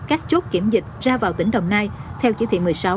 các chốt kiểm dịch ra vào tỉnh đồng nai theo chỉ thị một mươi sáu